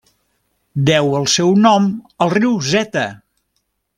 Deu el seu nom al riu Zeta.